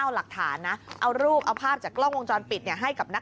เอาหลักฐานนะเอารูปเอาภาพจากกล้องวงจรปิดให้กับนัก